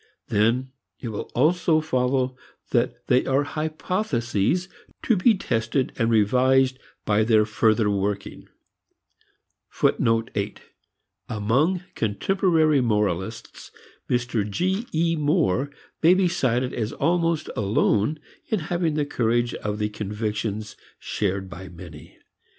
Then it will also follow that they are hypotheses to be tested and revised by their further working. Among contemporary moralists, Mr. G. E. Moore may be cited as almost alone in having the courage of the convictions shared by many.